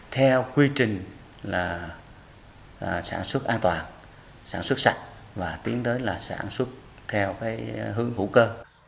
theo quy trình sản xuất an toàn sản xuất sạch và tiến tới sản xuất theo hướng hữu cơ